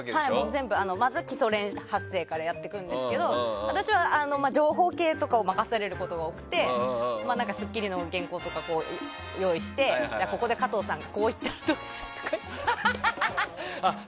全部、まず基礎練発声からやっていくんですけど私は情報系とか任されることが多くて「スッキリ」の原稿とかを用意してここで加藤さんがこう言ったらどうする？とか言って。